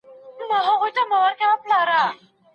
خلګو په ډېره چټکۍ سره سياسي پوهه ترلاسه کړه.